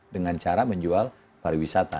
dengan cara menjual pariwisata